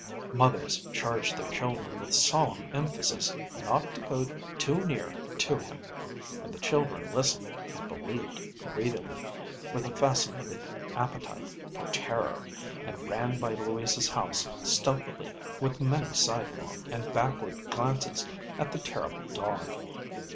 Mothers cleared their children with solemn emphasis not to go too near to him, and the children listened and believed greedily, with a fascinated appetite for terror, and ran by Louisa's house stealthily, with many sidelong and backward glances at the terrible dog.